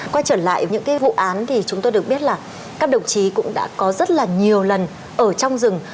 quay trở lại những vụ án thì chúng tôi được biết là các đồng chí cũng đã có rất là nhiều lần ở trong rừng